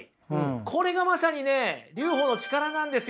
これがまさにね留保の力なんですよ。